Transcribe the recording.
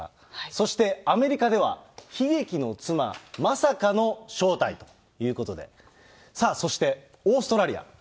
そしてアメリカでは悲劇の妻、まさかの正体？ということで、さあ、そして、オーストラリア。